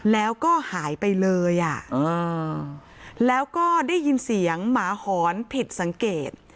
แล้วก็หายไปเลยอ่ะแล้วก็ได้ยินเสียงหมาหอนผิดสังเกต